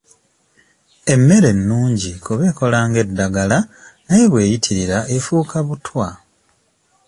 Emmere nnungi kuba ekola ng'eddagala naye bweyitirira efuuka butwa.